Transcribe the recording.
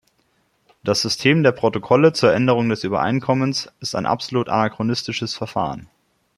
Das System der Protokolle zur Änderung des Übereinkommens ist ein absolut anachronistisches Verfahren.